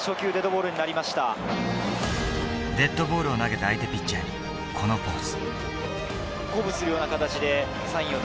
デッドボールを投げた相手ピッチャーにこのポーズ。